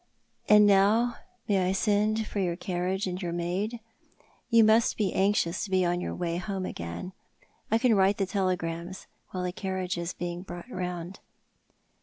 And now may I send for your carriage and your maid? You must be anxious to be on your way homo again. I can write the telegrams while the carriage is being brought round."